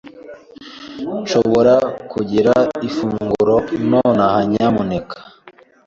Nshobora kugira urufunguzo nonaha, nyamuneka?